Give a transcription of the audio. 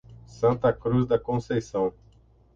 Santa Cruz da Conceição